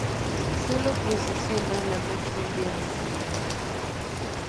Sólo procesiona la noche del Viernes Santo.